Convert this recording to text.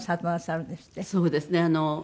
そうですね。